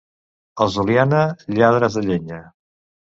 Els d'Oliana, lladres de llenya.